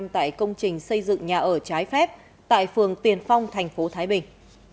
tại công trình xây dựng nhà ở trái phép tại phường tiền phong tp thái bình